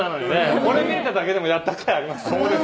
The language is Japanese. これ見れただけでもやったかい、ありますね。